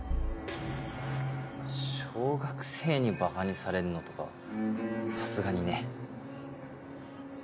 小学生にばかにされるのとかさすがにね。